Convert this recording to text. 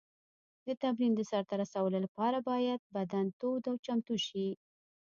د تمرین د سر ته رسولو لپاره باید بدن تود او چمتو شي.